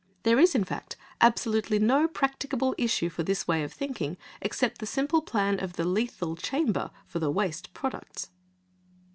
There is, in fact, absolutely no practicable issue for this way of thinking except the simple plan of the lethal chamber for the "waste products."